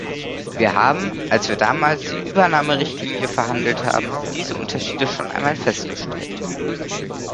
Wir haben, als wir damals die Übernahmerichtlinie verhandelt haben, diese Unterschiede schon einmal festgestellt.